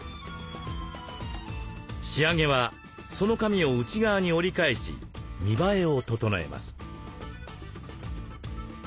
仕上げはその紙を内側に折り返し見栄えを整えます。